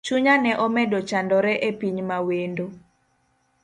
Chunya ne omedo chandore epiny mawendo.